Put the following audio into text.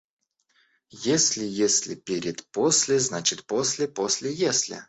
Если «если» перед «после», значит «после» после «если».